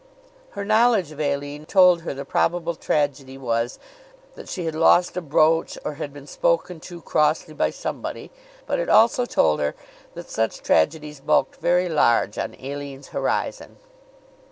Her knowledge of Aline told her the probable tragedy was that she had lost a brooch or had been spoken to crossly by somebody; but it also told her that such tragedies bulked very large on Aline's horizon.